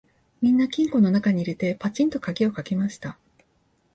みんな金庫のなかに入れて、ぱちんと錠をかけました